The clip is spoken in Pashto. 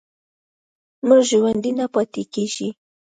مړ ژوندی نه پاتې کېږي.